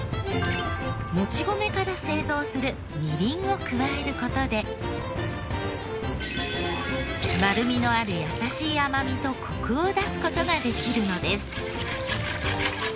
もち米から製造するみりんを加える事で丸みのある優しい甘みとコクを出す事ができるのです。